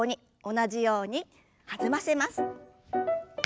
同じように弾ませます。